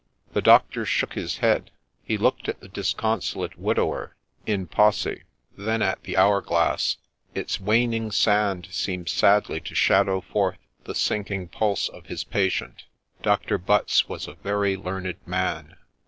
The doctor shook his head. He looked at the disconsolate widower in posse, then at the hour glass ; its waning sand seemed sadly to shadow forth the sinking pulse of his patient. Doctor Butts was a very learned man.